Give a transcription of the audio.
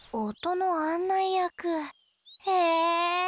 へえ！